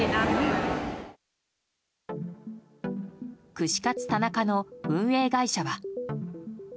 串カツ田中の運営会社は。